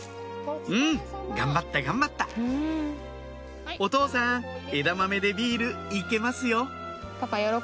うん頑張った頑張ったお父さん枝豆でビールいけますよ